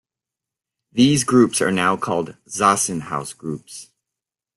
These groups are now called Zassenhaus groups.